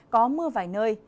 có mưa vài nơi